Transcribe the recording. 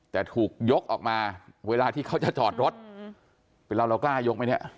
แต่ถูกยกออกมาเวลาที่เขาจะจอดรถเป็นเราเรากล้ายกไหมเนี่ย